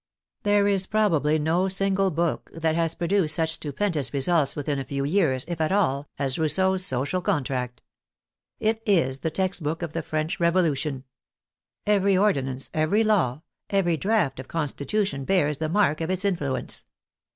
There is probably no single book that has produced such stupendous results within a few years, if at all, as Rousseau's Social Contract. It is the text book of the French Revolution. Every ordi nance, every law, every draft of constitution bears the mark of its influence.